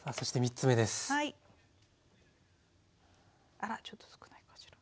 あらちょっと少ないかしら。